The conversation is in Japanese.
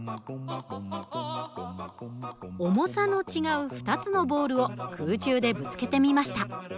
重さの違う２つのボールを空中でぶつけてみました。